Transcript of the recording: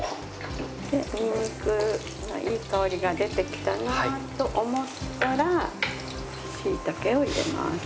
でニンニクのいい香りが出てきたなと思ったら椎茸を入れます。